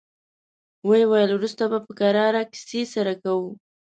ويې ويل: وروسته به په کراره کيسې سره کوو.